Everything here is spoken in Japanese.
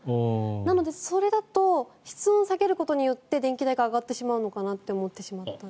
なのでそれだと室温を下げることによって電気代が上がってしまうのかなと思ってしまって。